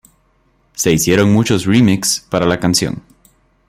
Se hicieron muchos remix para la canción.